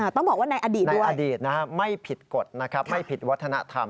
ต้องบอกว่าในอดีตนะดูอดีตไม่ผิดกฎนะครับไม่ผิดวัฒนธรรม